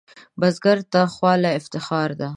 بزګر ته خوله افتخار ده